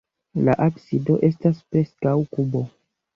La absido estas preskaŭ kubo.